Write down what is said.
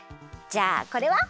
じゃあこれは？